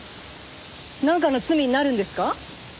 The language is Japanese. なんかの罪になるんですか？